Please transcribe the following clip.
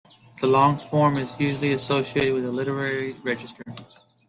The long form is usually associated with the literary register.